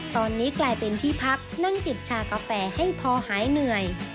ตอนนี้กลายเป็นที่พักนั่งจิบชากาแฟให้พอหายเหนื่อย